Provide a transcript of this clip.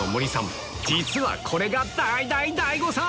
実はこれが大大大誤算‼